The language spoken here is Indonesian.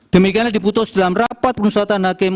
demikianlah diputus dalam rapat penusatan hakim